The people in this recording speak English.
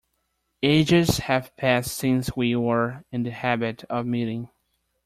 Ages have passed since we were in the habit of meeting.